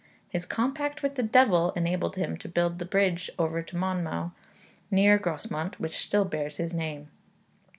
His compact with the devil enabled him to build the bridge over the Monnow, near Grosmont, which still bears his name.